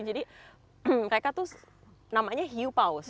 jadi mereka tuh namanya hiu paus